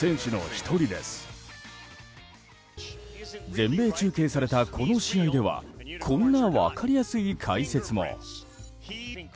全米中継された映像ではこんな分かりやすい解説も。